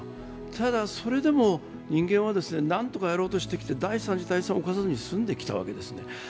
ただそれでも人間は何とかやろうとしてきて第三次大戦を起こさずに済んできたわけです。